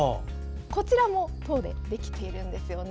こちらも籐でできてるんですよね。